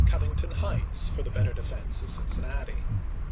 Covington Heights for the better defense of Cin cinnati.